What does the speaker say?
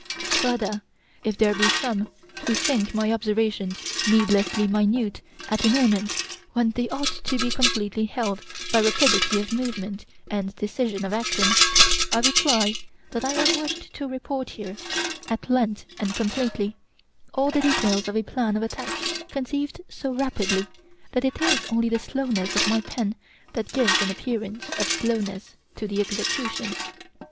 Further, if there be some who think my observations needlessly minute at a moment when they ought to be completely held by rapidity of movement and decision of action, I reply that I have wished to report here, at length and completely, all the details of a plan of attack conceived so rapidly that it is only the slowness of my pen that gives an appearance of slowness to the execution.